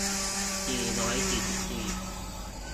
สี่ร้อยสี่สิบสี่